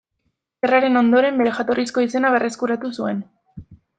Gerraren ondoren bere jatorrizko izena berreskuratu zuen.